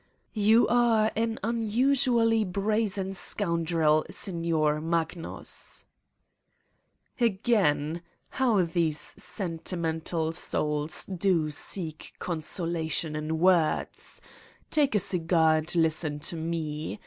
"You are an unusually brazen scoundrel, Sig nor Magnus!" "Again! How these sentimental souls do seek consolation in words ! Take a cigar and listen to me.